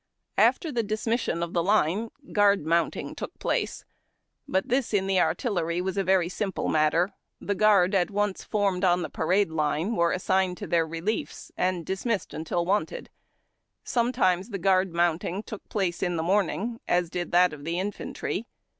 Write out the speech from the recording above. After the dismission of the line, guard mounting took place ; but this in the artillery was a very simple matter. The guard at once formed on the parade line were assigned to their reliefs, and dismissed till wanted. Sometimes the guard mounting took place in the morning, as did that of the infantry.